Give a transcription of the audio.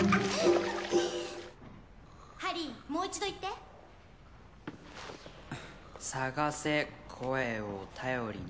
ハリーもう一度言って「探せ声を頼りに」